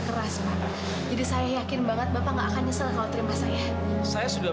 keras pak jadi saya yakin banget bapak nggak akan nyesel kalau terima saya saya sudah